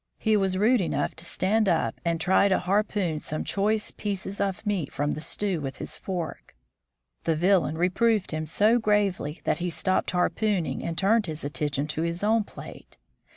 He was rude enough to stand up and try to harpoon some choice pieces of meat from the stew with his fork. The Villain reproved him so gravely that he stopped harpoon ing and turned his attention to his own plate.